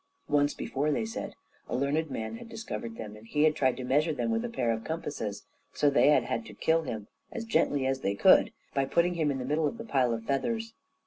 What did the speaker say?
Once before, they said, a learned man had discovered them, and he had tried to measure them with a pair of compasses, so they had had to kill him, as gently as they could, by putting him in the middle of the pile of feathers.